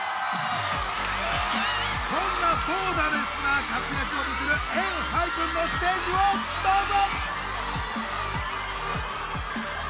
そんなボーダレスな活躍を見せるＥＮＨＹＰＥＮのステージをどうぞ！